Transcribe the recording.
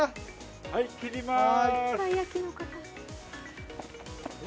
はい、切ります。